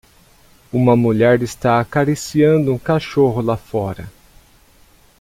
Uma mulher está acariciando um cachorro lá fora.